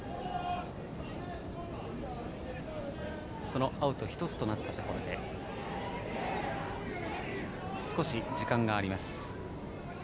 そのアウト１つとなったところで少し時間があります。